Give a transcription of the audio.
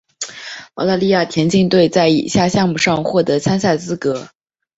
澳大利亚田径队在以下项目上获得参赛资格。